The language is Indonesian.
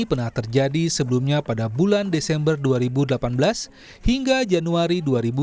pernah terjadi sebelumnya pada bulan desember dua ribu delapan belas hingga januari dua ribu delapan belas